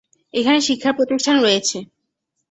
এখানে শিক্ষা প্রতিষ্ঠান রয়েছেঃ